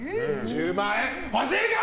１０万円欲しいか？